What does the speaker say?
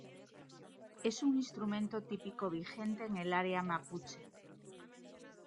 Es un instrumento típico vigente en el área mapuche.